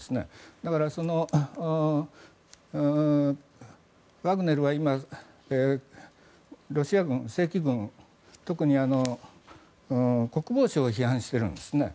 だからワグネルは今ロシア軍、正規軍特に国防省を批判しているんですね。